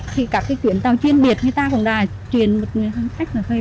thì các chuyến tàu chuyên biệt người ta cũng đã truyền một người hành khách về đây rồi